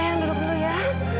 ayang duduk dulu ya